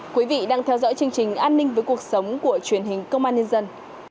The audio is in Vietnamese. quý vị đang theo dõi chương trình an ninh với cuộc sống của truyền hình công an nhân dân